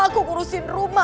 aku ngurusin rumah